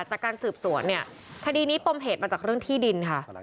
จากการสืบสวนเนี่ยคดีนี้ปมเหตุมาจากเรื่องที่ดินค่ะ